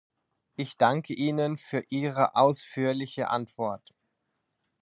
Ich danke Ihnen für Ihre ausführliche Antwort.